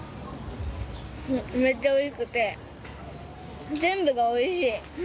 めっちゃおいしくて全部がおいしい。